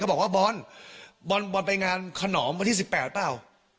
บอกว่าบอลบอลไปงานขนอมวันที่๑๘เปล่า